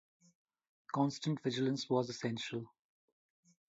Constant vigilance was essential.